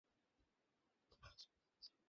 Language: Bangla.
শালার অনেক খরচ হয়ে গেছে এই নির্বাচনে।